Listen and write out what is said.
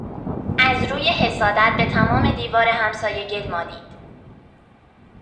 از روی حسادت به تمام دیوار همسایه گل مالید.